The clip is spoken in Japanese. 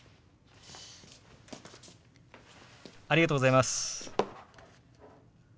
ありがとうございます。